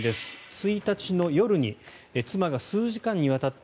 １日の夜に妻が数時間にわたって